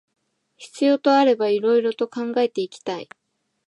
必要とあれば色々と考えていきたい